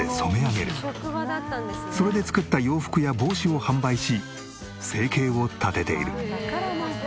それで作った洋服や帽子を販売し生計を立てている。